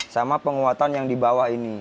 sama penguatan yang di bawah ini